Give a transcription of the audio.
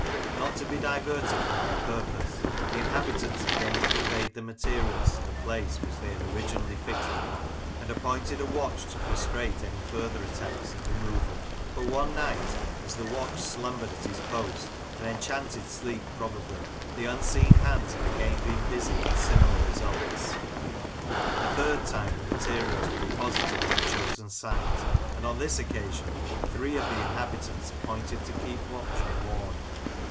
Not to be diverted from their purpose, the inhabitants again conveyed the materials to the place which they had originally fixed upon, and appointed a watch to frustrate any further attempts at r^emovaL But one night, as the watch slumbered at his Rossendale: Past and Present 79 post — an enchanted sleep probably — ^the unseen hands had again been busy, with similar results. A third time the materials were deposited on the chosen site, and, on this occasion, three of the inhabitants appointed to keep watch and ward.